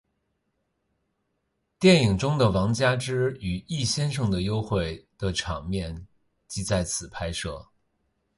电影中王佳芝与易先生的幽会的场面即在此拍摄。